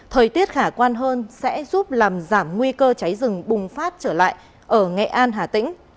thời tiết khả quan hơn sẽ giúp làm giảm nguy cơ cháy rừng bùng phát trở lại ở nghệ an hà tĩnh